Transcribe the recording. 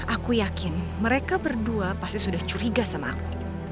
aku yakin mereka berdua pasti sudah curiga sama aku